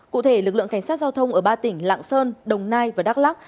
cụ thể lực lượng cảnh sát giao thông ở ba tỉnh lạng sơn đồng nai và đắk lắc